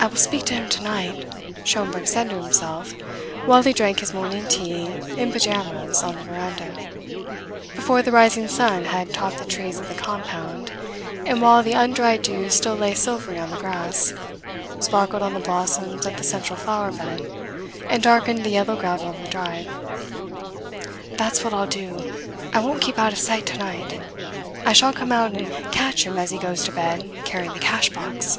"I will speak to him tonight," Schomberg said to himself, while he drank his morning tea, in pyjamas, on the veranda, before the rising sun had topped the trees of the compound, and while the undried dew still lay silvery on the grass, sparkled on the blossoms of the central flower bed, and darkened the yellow gravel of the drive. "That's what I'll do. I won't keep out of sight tonight. I shall come out and catch him as he goes to bed carrying the cash box."